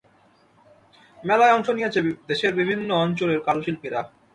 মেলায় অংশ নিয়েছে দেশের বিভিন্ন অঞ্চলের কারুশিল্পীরা।